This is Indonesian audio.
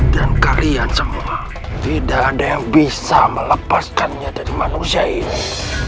dan kalian semua tidak ada yang bisa melepaskannya dari manusia ini